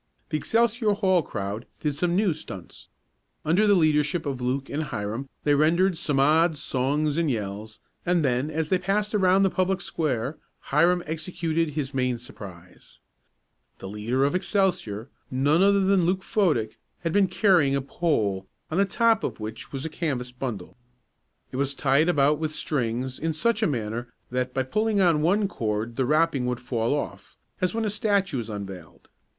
The Excelsior Hall crowd did some new "stunts." Under the leadership of Luke and Hiram they rendered some odd songs and yells, and then, as they passed around the public square, Hiram executed his main surprise. The leader of Excelsior, none other than Luke Fodick, had been carrying a pole, on the top of which was a canvas bundle. It was tied about with strings in such a manner that, by pulling on one cord the wrapping would fall off, as when a statue is unveiled.